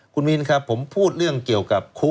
คุณมินครับผมพูดเรื่องเกี่ยวกับคุก